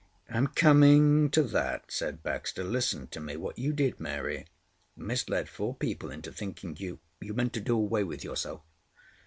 "I'm coming to that," said Baxter. "Listen to me. What you did, Mary, misled four people into thinking you—you meant to do away with yourself."